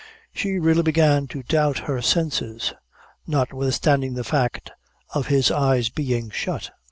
She really began to doubt her senses, notwithstanding the fact of his eyes being shut.